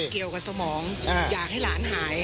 เกี่ยวกับสมองอยากให้หลานหาย